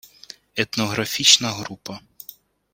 етнографічна група